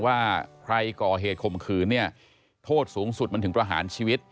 ว่าใครก่อเหตุข่มขืนเนี่ยโทษสูงสุดมันถึงประหารชีวิต